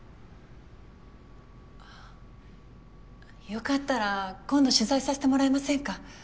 あよかったら今度取材させてもらえませんか？